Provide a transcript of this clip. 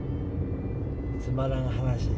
つまらん話。